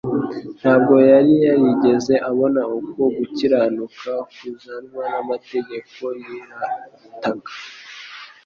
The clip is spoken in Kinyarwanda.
Ntabwo yari yarigeze abona uko gukiranuka kuzanwa n'amategeko yirataga.